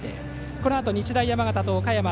このあと日大山形とおかやま